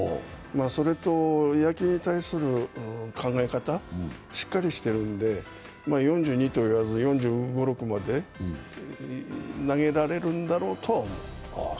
それと野球に対する考え方、しっかりしているので、４２といわず４５４６まで投げられるんだろうとは思う。